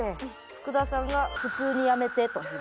福田さんが「普通にやめて」と。